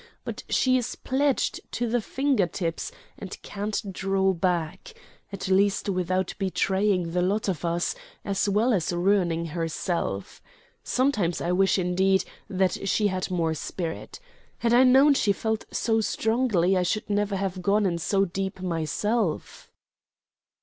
But she is pledged to the finger tips and can't draw back at least without betraying the lot of us, as well as ruining herself. Sometimes I wish, indeed, that she had more spirit. Had I known she felt so strongly I should never have gone in so deep myself."